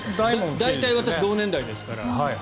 大体、同年代ですから。